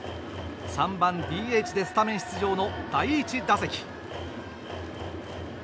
３番ＤＨでスタメン出場の第１打席。